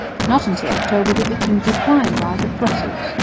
Not till October did the king's reply arrive at Brussels.